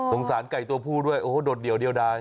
สงสารไก่ตัวผู้ด้วยโอ้โฮโดดเดี่ยวได้